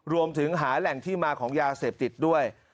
รวมถึงหาแหล่งที่มาของยาเสพติดด้วย